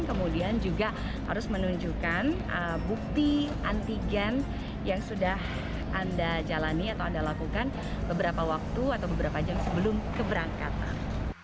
kemudian juga harus menunjukkan bukti antigen yang sudah anda jalani atau anda lakukan beberapa waktu atau beberapa jam sebelum keberangkatan